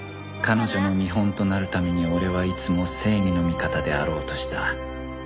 彼女の見本となるために俺はいつも正義の味方であろうとした